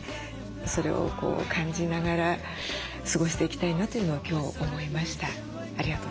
それを感じながら過ごしていきたいなというのは今日思いました。